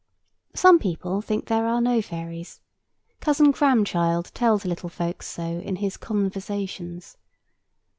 Some people think that there are no fairies. Cousin Cramchild tells little folks so in his Conversations.